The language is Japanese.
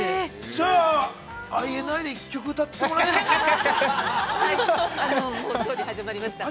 ◆じゃあＩＮＩで一曲歌ってもらえますか？